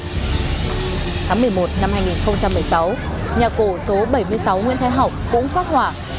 tháng một mươi một năm hai nghìn một mươi sáu nhà cổ số bảy mươi sáu nguyễn thái học cũng phát hỏa